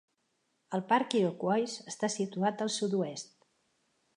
El parc Iroquois està situat al sud-oest.